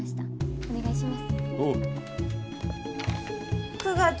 お願いします。